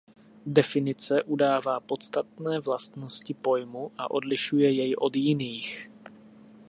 Definice udává podstatné vlastnosti pojmu a odlišuje jej od jiných.